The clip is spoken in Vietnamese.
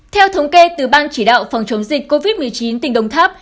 theo thống kê từ ban chỉ đạo phòng chống dịch covid một mươi chín tỉnh đồng tháp